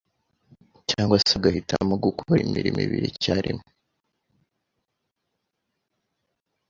cyangwa se agahitamo gukora imirimo ibiri icyarimwe